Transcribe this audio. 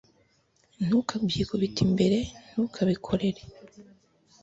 ntukabyikubite imbere ntukabikorere